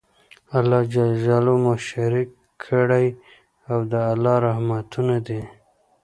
الله ج مو شريک کړی او د الله رحمتونه دي